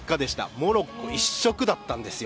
モロッコ一色だったんですよ。